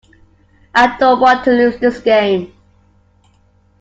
I don't want to lose this game.